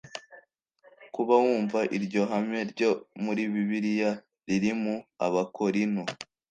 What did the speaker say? kuba wumva iryo hame ryo muri Bibiliya riri mu Abakorinto